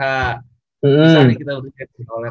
ysy kita berdua di perbanas